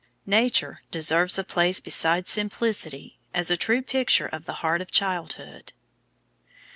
Nature deserves a place beside Simplicity as a true picture of the heart of childhood.